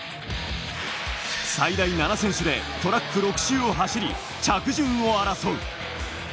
最大７選手でトラック６周を走り、着順を争う。